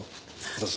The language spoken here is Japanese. どうぞ。